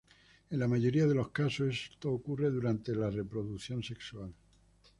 En la mayoría de los casos esto ocurre durante la reproducción sexual.